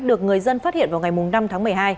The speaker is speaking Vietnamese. được người dân phát hiện vào ngày năm tháng một mươi hai